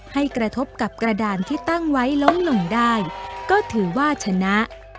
ให้กระทบกับกระดานที่ตั้งไว้ล้มลงได้ก็ถือว่าชนะ